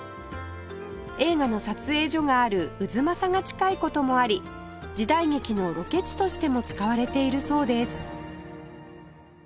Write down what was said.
映画の撮影所がある太秦が近い事もあり時代劇のロケ地としても使われているそうです